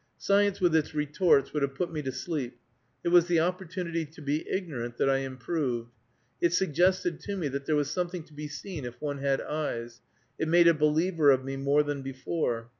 Science with its retorts would have put me to sleep; it was the opportunity to be ignorant that I improved. It suggested to me that there was something to be seen if one had eyes. It made a believer of me more than before.